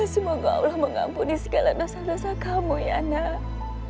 semoga allah mengampuni segala dosa dosa kamu ya nak